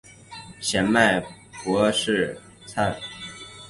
显脉柏氏参